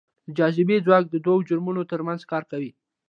د جاذبې ځواک دوو جرمونو ترمنځ کار کوي.